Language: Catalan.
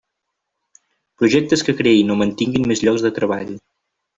Projectes que creïn o mantinguin més llocs de treball.